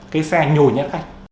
cái xe nhồi nhát khách